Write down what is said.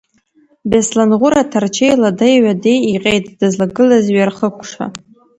Бесланӷәыр аҭарчеи ладеи-ҩадеи иҟьеит, дызлагылаз иҩархыкшәа.